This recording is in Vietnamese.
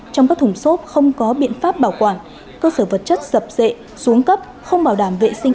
trong các thùng xốp không có biện pháp bảo quản cơ sở vật chất sập dệ xuống cấp không bảo đảm vệ sinh